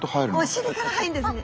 お尻から入るんですね。